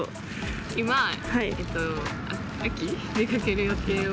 今、秋、出かける予定を。